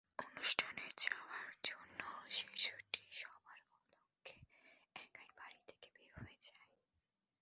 অনুষ্ঠানে যাওয়ার জন্য শিশুটি সবার অলক্ষ্যে একাই বাড়ি থেকে বের হয়ে যায়।